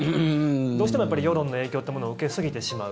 どうしてもやっぱり世論の影響というものを受けすぎてしまう。